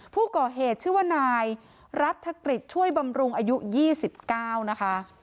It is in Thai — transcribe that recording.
ผู้ก่อเหตุชื่อว่านายรัฐกฤษช่วยบำรุงอายุ๒๙นะคะ